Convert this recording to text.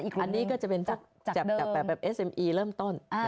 อีกกลุ่มนึงจะเป็นจากเดิมแบบเอสเอ็มอีเเริ่มต้น